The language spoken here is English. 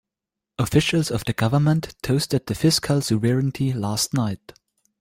Officials of the government toasted the fiscal sovereignty last night.